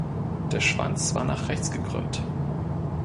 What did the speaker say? Der Schwanz war nach rechts gekrümmt.